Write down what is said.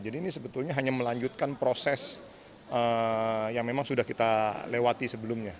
jadi ini sebetulnya hanya melanjutkan proses yang memang sudah kita lewati sebelumnya